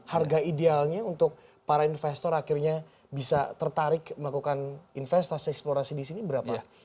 harga idealnya untuk para investor akhirnya bisa tertarik melakukan investasi eksplorasi di sini berapa